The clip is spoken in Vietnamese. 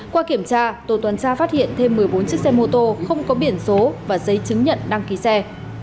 qua kiểm tra tổ tuần tra phát hiện thêm một mươi bốn chiếc xe mô tô không có biển số và giấy chứng nhận đăng ký xe